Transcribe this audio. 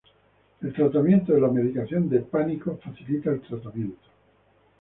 El tratamiento de la medicación de pánico facilita el tratamiento.